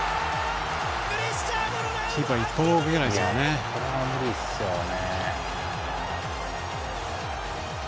キーパー一歩も動けないですね。